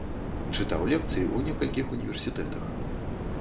Чытаў лекцыі ў некалькіх універсітэтах.